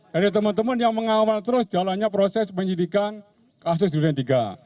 dari teman teman yang mengawal terus jalannya proses penyidikan kelas tiga